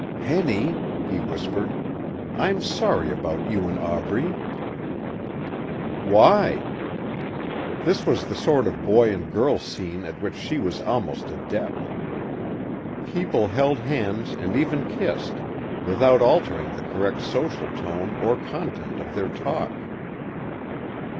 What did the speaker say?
"Henny," he whispered, "I'm sorry about you and Aubrey." "Why?" This was the sort of boy and girl scene at which she was almost adept. People held hands and even kissed without altering the correct social tone or content of their talk.